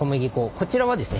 こちらはですね